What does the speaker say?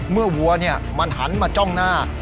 เมื่อวัวมันหันมาจ้องหน้า